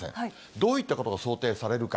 どういったことが想定されるか。